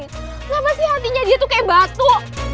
kenapa sih artinya dia tuh kayak batu